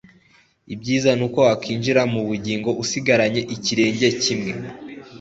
ibyiza ni uko wakwinjira mu bugingo usigaranye ikirenge kimwe,